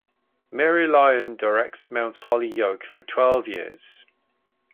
Mary Lyon directs Mount Holyyoke for twelve years.